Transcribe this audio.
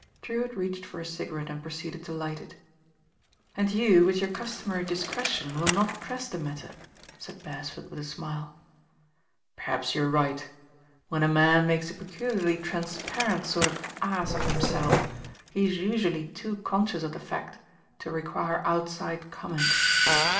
Drewitt reached for a cigarette and proceeded to light it. "And you, with your customary discretion, will not press the matter," said Beresford with a smile. •Perhaps you're right. When a man makes a LONDON AND LORD DREWITT ««l peculiarly transparent sort of ass of himself, he is usually too conscious of the fact to require outside comment.